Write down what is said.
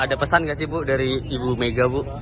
ada pesan gak sih bu dari ibu mega bu